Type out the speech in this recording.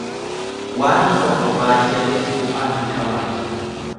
Waanni tokko baayyateef bu'aa hin qabaatu.